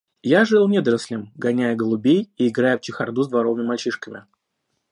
Я жил недорослем, гоняя голубей и играя в чехарду с дворовыми мальчишками.